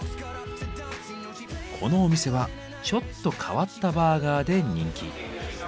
このお店はちょっと変わったバーガーで人気。